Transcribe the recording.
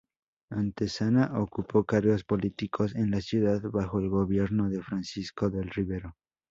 Antezana ocupó cargos políticos en la ciudad bajo el gobierno de Francisco del Rivero.